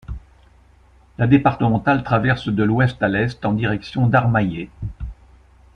La départementale traverse de l'ouest à l'est en direction d'Armaillé.